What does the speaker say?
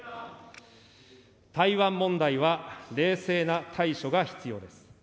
台湾問題は冷静な対処が必要です。